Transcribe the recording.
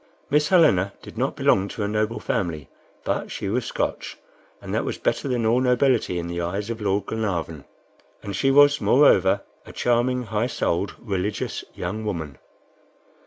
Miss Helena did not belong to a noble family, but she was Scotch, and that was better than all nobility in the eyes of Lord Glenarvan; and she was, moreover, a charming, high souled, religious young woman.